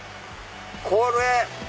これ！